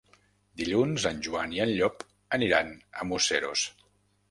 Dilluns en Joan i en Llop aniran a Museros.